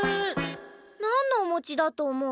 なんのおもちだとおもう？